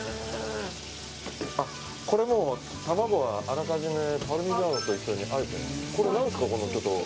卵はあらかじめパルミジャーノと一緒にあえてるんですね。